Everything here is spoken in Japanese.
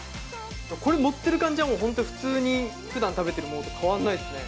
これ持ってる感じはもう本当に普通にふだん食べてるものと変わんないですね。